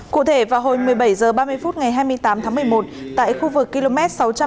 cụ thể vào hồi một mươi bảy h ba mươi phút ngày hai mươi tám tháng một mươi một tại khu vực km sáu trăm ba mươi bốn một trăm bảy mươi